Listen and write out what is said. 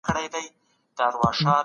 معاصر بحثونه پر ذهن راڅرخي.